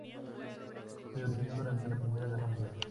Se originó durante la Primera Guerra Mundial.